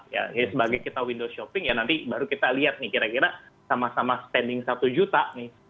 ya jadi sebagai kita window shopping ya nanti baru kita lihat nih kira kira sama sama standing satu juta nih